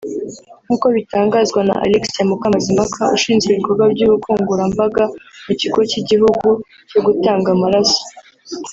nk’uko bitangazwa na Alexia Mukamazimpaka ushinzwe ibikorwa by’ubukangurambaga mu Kigo cy’Igihugu cyo Gutanga Amaraso